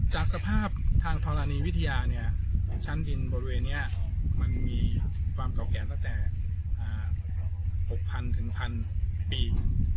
จากสภาพทางธรณีวิทยาเนี่ยชั้นดินบริเวณนี้มันมีความเก่าแก่ตั้งแต่๖๐๐๐๑๐๐ปี